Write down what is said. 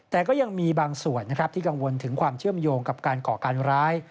แต่ก็ยังมีบางส่วนนะครับที่กังวลถึงความเชื่อมโยงกับการก่อการร้าย